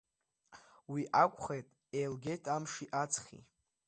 Уи акәхеит, еилгеит амши аҵхи.